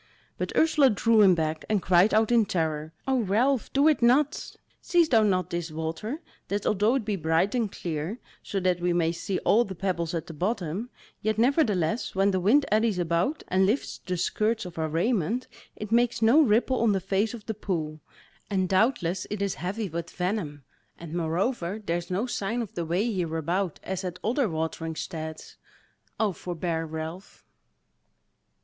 But Ursula drew him back, and cried out in terror: "O Ralph, do it not! Seest thou not this water, that although it be bright and clear, so that we may see all the pebbles at the bottom, yet nevertheless when the wind eddies about, and lifts the skirts of our raiment, it makes no ripple on the face of the pool, and doubtless it is heavy with venom; and moreover there is no sign of the way hereabout, as at other watering steads; O forbear, Ralph!"